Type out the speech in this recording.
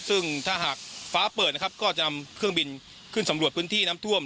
ซึ่งถ้าหากฟ้าเปิดนะครับก็จะนำเครื่องบินขึ้นสำรวจพื้นที่น้ำท่วม